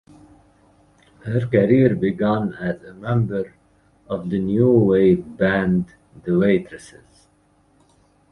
Her career began as a member of the New Wave band The Waitresses.